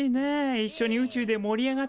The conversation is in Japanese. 一緒に宇宙で盛り上がってたころが。